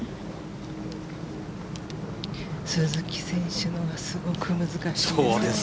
鈴木選手のすごく難しい。